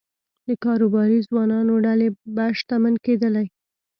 د کاروباري ځوانانو ډلې به شتمن کېدلې